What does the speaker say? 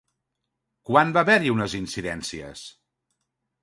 Quan va haver-hi unes incidències?